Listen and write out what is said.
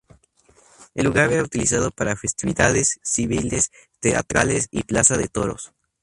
El lugar era utilizado para festividades civiles, teatrales y plaza de toros.